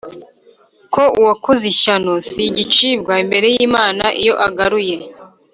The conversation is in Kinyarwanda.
ko uwakoze ishyano si igicibwa imbere y’imana iyo agaruye